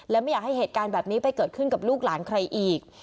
และไม่อยากให้เหตุการณ์แบบนี้ไปเกิดขึ้นกับลูกหลานใครอีก